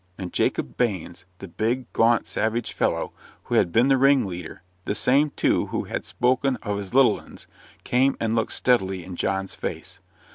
And Jacob Baines, the big, gaunt, savage fellow, who had been the ringleader the same, too, who had spoken of his "little 'uns" came and looked steadily in John's face.